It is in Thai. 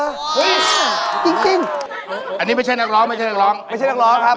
อันนี้ก็เป็นนักร้องในร้านเหมือนกัน